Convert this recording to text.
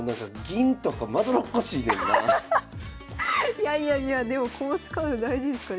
いやいやいやでも駒使うの大事ですからね。